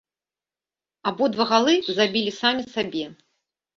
Абодва галы забілі самі сабе.